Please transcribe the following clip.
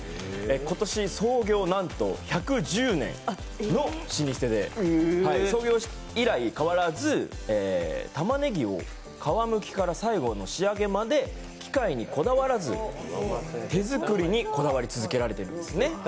今年創業１１０年の老舗で創業以来変わらず、たまねぎを皮むきから最後の仕上げまで機械にこだわらず手作りにこだわり続けておられるんですね。